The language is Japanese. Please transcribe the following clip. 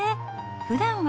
ふだんは。